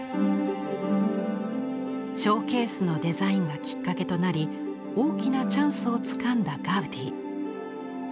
ショーケースのデザインがきっかけとなり大きなチャンスをつかんだガウディ。